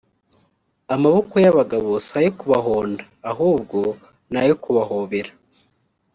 amaboko y'abagabo si ayo kubahonda ahubwo ni ayo kubahobera